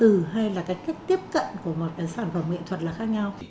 hay là cái cách tiếp cận của một sản phẩm nghệ thuật là khác nhau